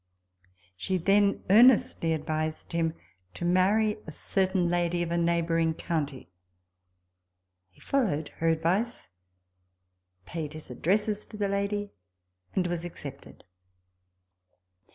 She then earnestly advised him to marry a certain lady of a neighbouring county. He followed her advice ; paid his addresses to the lady, and was accepted.